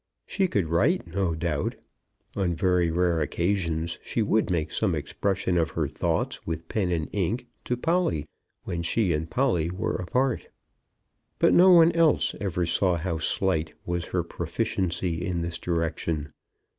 She could write, no doubt. On very rare occasions she would make some expression of her thoughts with pen and ink to Polly, when she and Polly were apart. But no one else ever saw how slight was her proficiency in this direction.